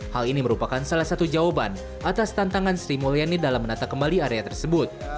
hal ini merupakan salah satu jawaban atas tantangan sri mulyani dalam menata kembali area tersebut